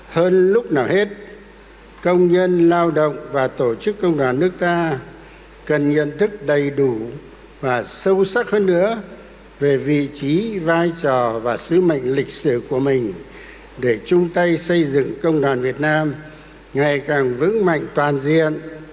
hơn lúc nào hết công nhân lao động và tổ chức công đoàn nước ta cần nhận thức đầy đủ và sâu sắc hơn nữa về vị trí vai trò và sứ mệnh lịch sử của mình để chung tay xây dựng công đoàn việt nam ngày càng vững mạnh toàn diện